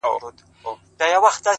پوهه د فکر رڼا ډېروي